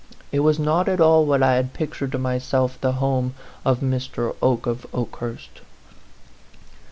It was not at all what I had pictured to myself the home of Mr. Oke of Okehurst.